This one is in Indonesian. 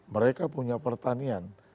mereka punya pertanian